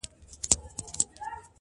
شګوفې وغوړیږي ښکلي سي سبا ته نه وي٫